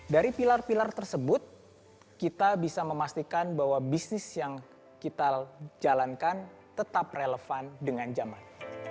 dari pilar pilar tersebut kita bisa memastikan bahwa bisnis yang kita jalankan tetap relevan dengan zaman